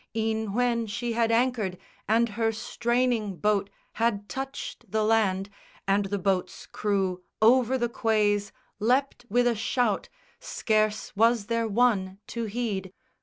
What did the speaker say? E'en when she had anchored and her straining boat Had touched the land, and the boat's crew over the quays Leapt with a shout, scarce was there one to heed.